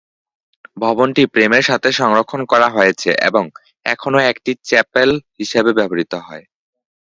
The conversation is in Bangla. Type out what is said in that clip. ভবনটি প্রেমের সাথে সংরক্ষণ করা হয়েছে এবং এখনও একটি চ্যাপেল হিসাবে ব্যবহৃত হয়।